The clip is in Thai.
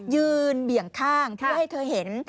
เบี่ยงข้างเพื่อให้เธอเห็น